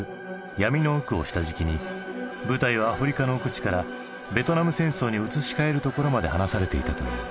「闇の奥」を下敷きに舞台をアフリカの奥地からベトナム戦争に移し替えるところまで話されていたという。